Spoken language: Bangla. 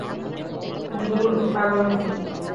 ধুর, পাগল নাকি?